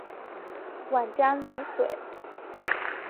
沅江澧水